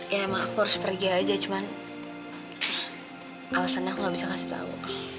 ya emang aku harus pergi aja cuman alasannya aku gak bisa ngasih tahu